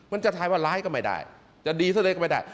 มันจะทายว่าร้ายก็ไม่ได้จะดีซะเลยก็ไม่ได้